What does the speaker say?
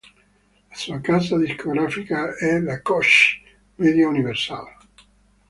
La sua casa discografica è la Koch Media-Universal